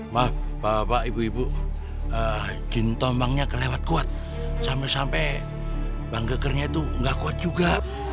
maaf bapak ibu ibu jentolmanya kelewat kuat sampai sampai banggekernya itu enggak kuat juga